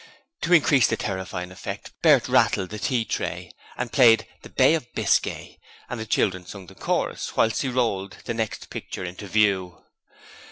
To increase the terrifying effect, Bert rattled the tea tray and played 'The Bay of Biscay', and the children sung the chorus whilst he rolled the next picture into view.